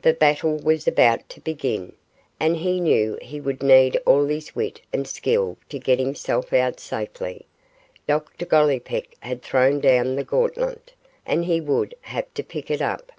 The battle was about to begin, and he knew he would need all his wit and skill to get himself out safely. Dr Gollipeck had thrown down the gauntlet, and he would have to pick it up.